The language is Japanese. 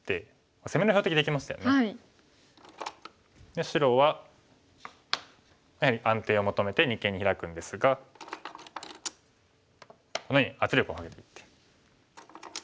で白はやはり安定を求めて二間にヒラくんですがこのように圧力をかけていって。